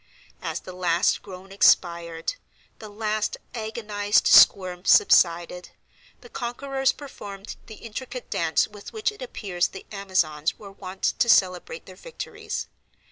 As the last groan expired, the last agonized squirm subsided, the conquerors performed the intricate dance with which it appears the Amazons were wont to celebrate their victories.